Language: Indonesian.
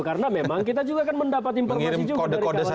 karena memang kita juga kan mendapat informasi juga dari kawan kawan